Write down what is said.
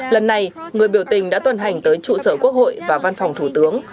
lần này người biểu tình đã tuần hành tới trụ sở quốc hội và văn phòng thủ tướng